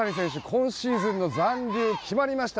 今シーズンの残留決まりました。